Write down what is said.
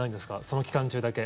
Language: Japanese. その期間中だけ。